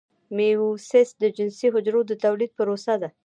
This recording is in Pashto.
میوسیس د جنسي حجرو د تولید پروسه ده